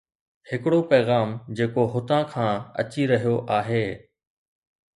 ھڪڙو پيغام جيڪو ھتان کان اچي رھيو آھي.